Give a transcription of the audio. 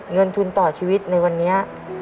เงินทุนต่อชีวิตในวันนี้